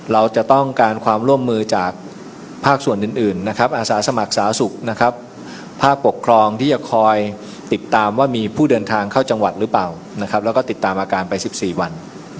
เราจะต้องการความร่วมมือจากภาคส่วนอื่นนะครับอาสาสมัครสาสุขนะครับภาคปกครองที่จะคอยติดตามว่ามีผู้เดินทางเข้าจังหวัดหรือเปล่านะครับแล้วก็ติดตามอาการไป๑๔วัน